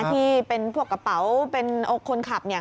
ที่เป็นพวกกระเป๋าเป็นคนขับ